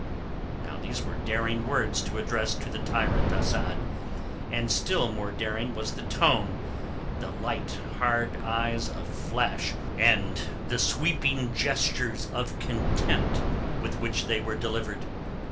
Now these were daring words to address to the tyrant Asad, and still more daring was the tone, the light hard eyes aflash and the sweeping gestures of contempt with which they were delivered.